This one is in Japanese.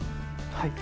はい。